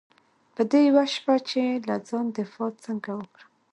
په دې پوه شه چې له ځان دفاع څنګه وکړم .